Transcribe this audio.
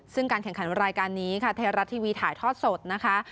ซึ่งการแข่งขันรายการนี้ค่ะไทยรัฐทีวีถ่ายทอดสดนะคะ